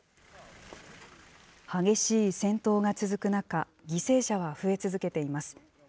激しい戦闘が続く中、犠牲者は増え続けています。